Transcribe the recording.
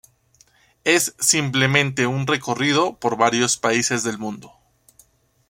Es simplemente un recorrido por varios países del mundo.